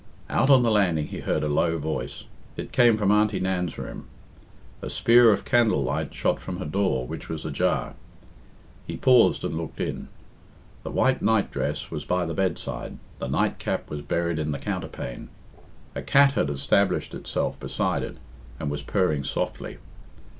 Out on the landing he heard a low voice. It came from Auntie Nan's room. A spear of candle light shot from her door, which was ajar. He paused and looked in. The white night dress was by the bedside, the night cap was buried in the counterpane. A cat had established itself beside it, and was purring softly.